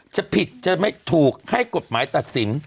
จะผิดจะไม่ถูกให้กฎหมายตัดสิน